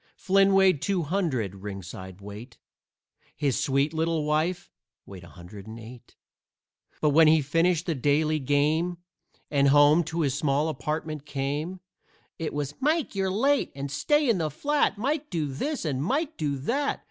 Flynn weighed two hundred, ringside weight, His sweet little wife weighed a hundred and eight; But when he finished the daily game And home to his small apartment came It was "Mike, you're late!" and "Stay in the flat!" "Mike, do this!" and "Mike, do that!"